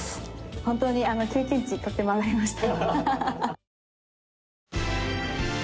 本当に経験値とっても上がりました。